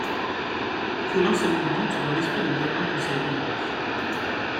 Colin sème le doute dans l'esprit de Damin concernant Éric.